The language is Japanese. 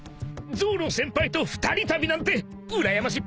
［ゾロ先輩と２人旅なんてうらやましいっぺ］